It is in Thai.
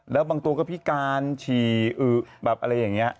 แล้วบางตัวก็พิการฉี่อึแบบอะไรอย่างนี้